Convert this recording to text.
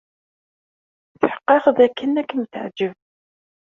Tḥeqqeqeɣ d akken ad kem-teɛǧeb.